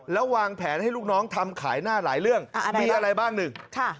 แล้ววางแผนให้ลูกน้องทำขายหน้าหลายเรื่องมีอะไรบ้างหนึ่ง